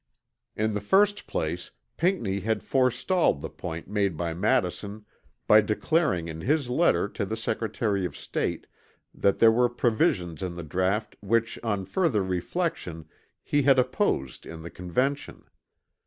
In the first place Pinckney had forestalled the point made by Madison by declaring in his letter to the Secretary of State that there were provisions in the draught which on further reflection he had opposed in the Convention.